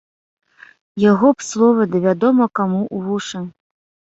Яго б словы ды вядома каму ў вушы!